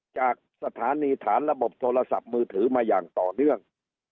จากสถานีฐานระบบโทรศัพท์มือถือมาอย่างต่อเนื่อง